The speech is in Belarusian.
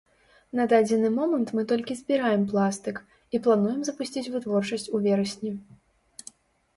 На дадзены момант мы толькі збіраем пластык, і плануем запусціць вытворчасць у верасні.